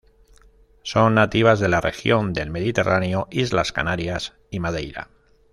Son nativas de la región del Mediterráneo, Islas Canarias y Madeira.